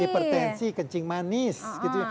hipertensi kencing manis gitu